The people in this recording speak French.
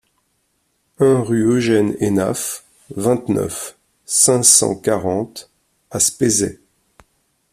un rue Eugène Hénaff, vingt-neuf, cinq cent quarante à Spézet